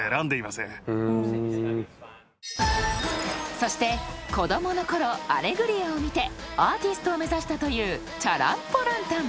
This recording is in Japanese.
［そして子供のころ『アレグリア』を見てアーティストを目指したというチャラン・ポ・ランタン］